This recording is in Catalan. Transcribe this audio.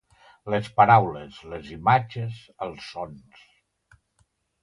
Les paraules, les imatges, els sons.